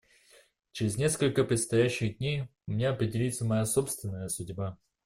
Через несколько предстоящих дней у меня определится моя собственная судьба.